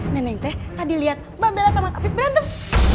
neneng teh tadi liat mbak bella sama mas alvif berantem